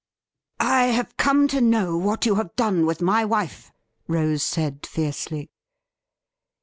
'I have come to know what you have done with my wife !' Rose said fiercely.